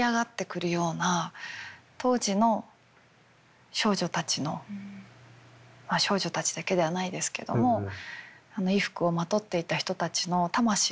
当時の少女たちのまあ少女たちだけではないですけどもあの衣服をまとっていた人たちの魂がそこに封じ込められているような。